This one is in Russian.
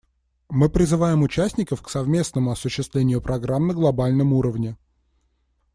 Мы призываем участников к совместному осуществлению программ на глобальном уровне.